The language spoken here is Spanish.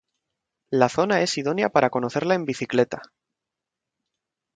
La zona es idónea para conocerla en bicicleta.